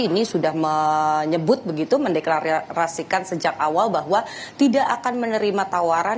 ini sudah menyebut begitu mendeklarasikan sejak awal bahwa tidak akan menerima tawaran